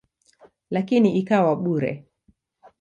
Lakini ikawa bure.